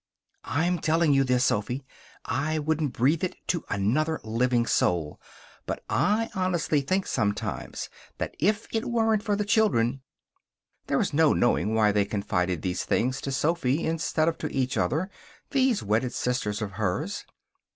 "I'm telling you this, Sophy. I wouldn't breathe it to another living soul. But I honestly think, sometimes, that if it weren't for the children " There is no knowing why they confided these things to Sophy instead of to each other, these wedded sisters of hers.